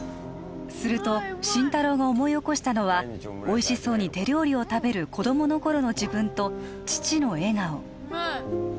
すると心太朗が思い起こしたのはおいしそうに手料理を食べる子供の頃の自分と父の笑顔